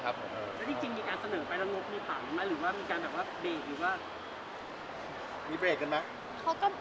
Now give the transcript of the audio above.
ถ้าจริงมีการเสนอไปแล้วงบมีผักหรือมีการเบรกหรือว่า